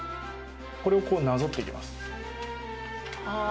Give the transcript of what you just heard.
これをこう、なぞっていきます。